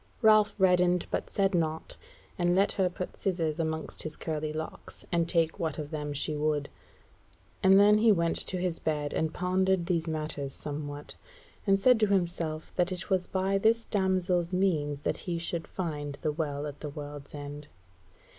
Ralph reddened but said naught, and let her put scizzors amongst his curly locks, and take what of them she would. And then he went to his bed, and pondered these matters somewhat, and said to himself that it was by this damsel's means that he should find the Well at the World's End.